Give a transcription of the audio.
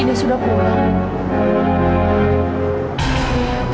ini sudah perubahan